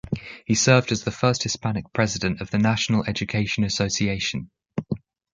He served as the first Hispanic president of the National Education Association.